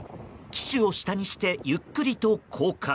機首を下にしてゆっくりと降下。